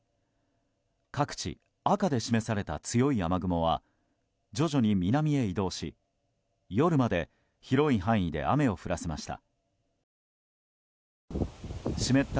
各地、赤で示された強い雨雲は徐々に南へ移動し夜まで広い範囲で雨を降らせました。